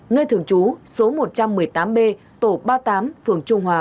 nơi thường trú số một trăm một mươi tám b tổ ba mươi tám phường trung hòa